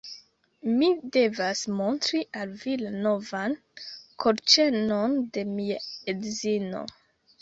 Mi devas montri al vi la novan kolĉenon de mia edzino